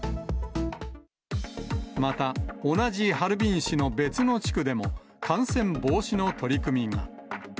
また、同じハルビン市の別の地区でも感染防止の取り組みが。